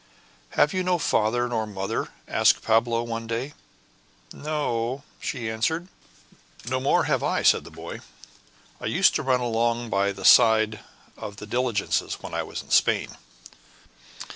"Have you no father nor mother?" asked Pablo, one day. "No," she answered. "No more have I," said the boy, "I used to run along by the side of the diligences when I was in Spain."